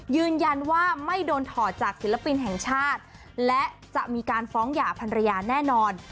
ยืนยันว่าไม่โดนถอดจากศิลปินแห่งชาติและจะมีการฟ้องหย่าพันรยาแน่นอน